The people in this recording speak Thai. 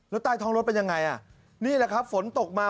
แล้วใต้ท้องรถเป็นยังไงอ่ะนี่แหละครับฝนตกมา